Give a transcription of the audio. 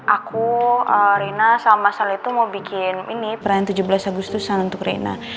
aku rina sama mas sale itu mau bikin ini perayaan tujuh belas agustusan untuk rina